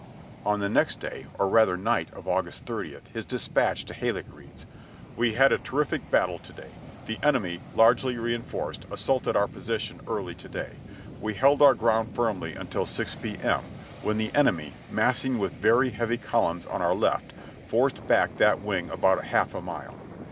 On the next day, or rather night of August 30, his dispatch to Halleck reads : "We had a terrific battle to day. The enemy, largely reinforced, assaulted our position early to day. We held our ground firmly until 6 P. M. when the enemy, massing with very heavy columns on our left, forced back that wing about a half a mile.